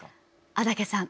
安宅さん